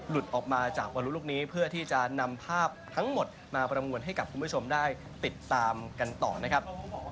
ออกมาจากบอลลูลูกนี้เพื่อที่จะนำภาพทั้งหมดมาประมวลให้กับคุณผู้ชมได้ติดตามกันต่อนะครับ